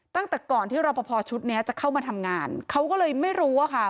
ตั้งแต่ก่อนที่รอปภชุดนี้จะเข้ามาทำงานเขาก็เลยไม่รู้อะค่ะ